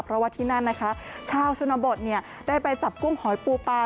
เพราะว่าที่นั่นนะคะชาวชนบทได้ไปจับกุ้งหอยปูปลา